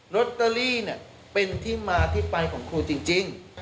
ลอตเตอรี่เป็นที่มาที่ไปของครูจริง